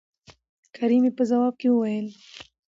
کريم يې په ځواب کې وويل